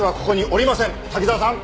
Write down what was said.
滝沢さん。